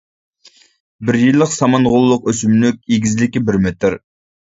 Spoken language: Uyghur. بىر يىللىق سامان غوللۇق ئۆسۈملۈك، ئېگىزلىكى بىر مېتىر.